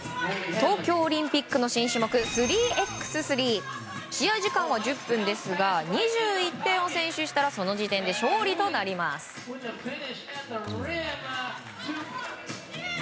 東京オリンピックの新種目、３×３。試合時間は１０分ですが２１点を先取したら、その時点で勝利となります。